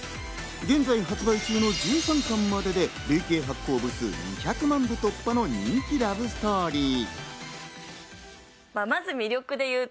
現在発売中の１３巻までで累計発行部数２００万部突破の人気ラブストーリー。